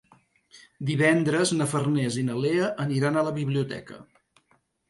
Divendres na Farners i na Lea aniran a la biblioteca.